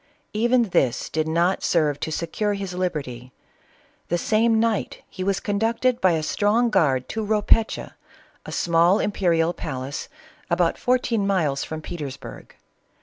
Even this did not serve to secure his liberty. The same night he was conducted by a strong guard to Ropscha, a small im perial palace, about fourteen miles from Petersburg.